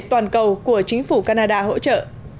toàn cầu của chính phủ canada hỗ trợ